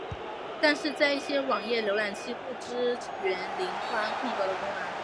但是在一些网页浏览器不支援零宽空格的功能。